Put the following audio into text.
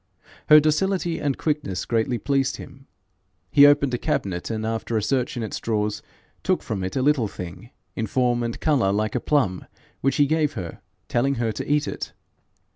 Her docility and quickness greatly pleased him. He opened a cabinet, and after a search in its drawers, took from it a little thing, in form and colour like a plum, which he gave her, telling her to eat it.